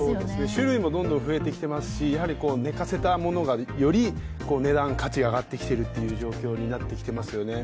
種類もどんどん増えてきていますし寝かせた物がより値段、価値が上がってきている状況になっていますね。